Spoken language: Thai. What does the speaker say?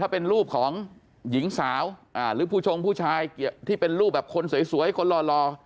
เป็นรูปของหญิงสาวหรือผู้ชงผู้ชายที่เป็นรูปแบบคนสวยคนหล่อ